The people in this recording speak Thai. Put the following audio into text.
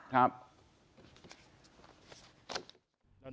ครับ